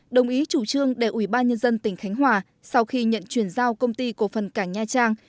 đồng ý chủ trương để ủy ban nhân dân tỉnh khánh hòa sau khi nhận chuyển giao công ty cổ phần cảng nha trang